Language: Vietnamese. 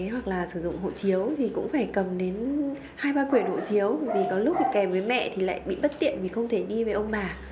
hoặc là sử dụng hộ chiếu thì cũng phải cầm đến hai ba quyển hộ chiếu vì có lúc bị kèm với mẹ thì lại bị bất tiện vì không thể đi với ông bà